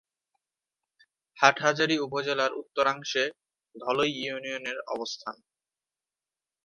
হাটহাজারী উপজেলার উত্তরাংশে ধলই ইউনিয়নের অবস্থান।